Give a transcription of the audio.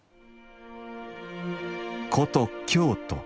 古都・京都。